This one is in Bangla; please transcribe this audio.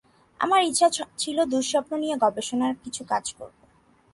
আমার ইচ্ছা ছিল দুঃস্বপ্ন নিয়ে গবেষণার কিছু কাজ করব।